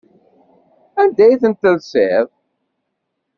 Anda ay ten-telsiḍ?